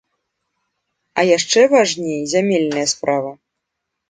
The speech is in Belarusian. А яшчэ важней зямельная справа.